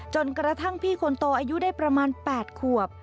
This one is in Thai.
จนกระทั่งพี่คนโตอายุได้ประมาณ๘ขวบ